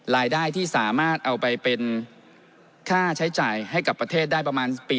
รายได้ที่สามารถเอาไปเป็นค่าใช้จ่ายให้กับประเทศได้ประมาณปี